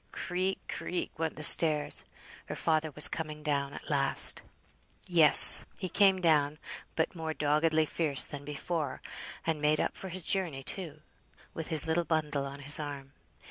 Creak, creak, went the stairs. Her father was coming down at last. Yes, he came down, but more doggedly fierce than before, and made up for his journey, too; with his little bundle on his arm.